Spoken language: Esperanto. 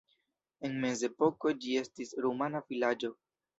En mezepoko ĝi estis rumana vilaĝo.